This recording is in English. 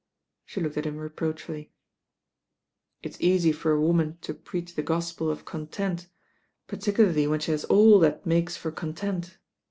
She looked at him reproachfully. "It's easy for a woman to preach the gospel of content, particularly when she has all that makes for content.